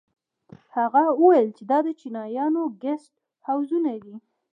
هغه وويل چې دا د چينايانو ګسټ هوزونه دي.